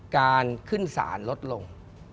การขึ้นสารลดลง